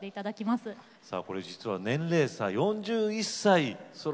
さあこれ実は年齢差４１歳。ですよ。